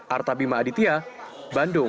artabima aditya bandung